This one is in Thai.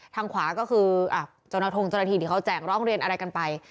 ทางขวาก็คืออ่ะจนทรงจนทีเดี๋ยวเขาแจ่งร่องเรียนอะไรกันไป